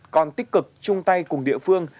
còn tích cực chung tay cùng địa phương